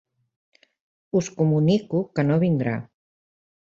Us comunico que no vindrà.